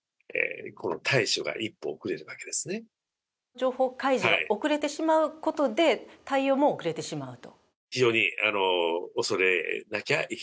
情報開示が遅れてしまうことで対応も遅れてしまうと？